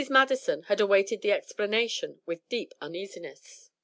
Madison had awaited the explanation with deep uneasiness.